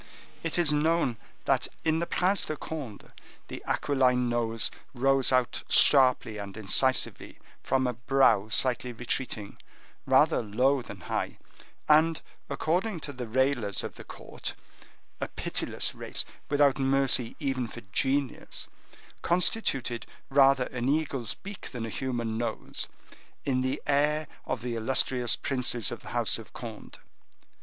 It is known that in the Prince de Conde, the aquiline nose rose out sharply and incisively from a brow slightly retreating, rather low than high, and according to the railers of the court,—a pitiless race without mercy even for genius,—constituted rather an eagle's beak than a human nose, in the heir of the illustrious princes of the house of Conde.